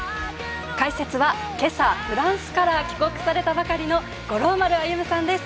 解説は今朝、フランスから帰国されたばかりの五郎丸歩さんです。